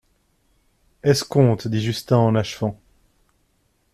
Escompte, dit Justin en achevant.